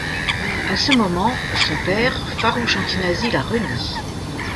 À ce moment, son père, farouche anti-nazi, la renie.